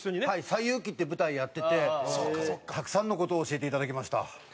『西遊記』って舞台やっててたくさんの事を教えていただきました。